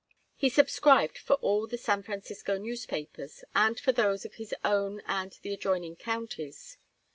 He subscribed for all the San Francisco newspapers and for those of his own and the adjoining counties.